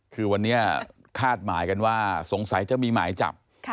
คือวันนี้คาดหมายกันว่าสงสัยจะมีหมายจับ